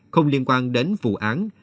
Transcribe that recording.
không liên quan đến vụ án